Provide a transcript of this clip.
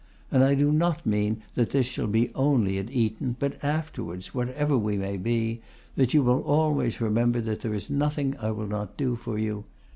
And I do not mean that this shall be only at Eton, but afterwards, wherever we may be, that you will always remember that there is nothing I will not do for you.